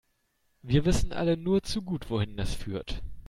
Wir wissen alle nur zu gut, wohin das führt.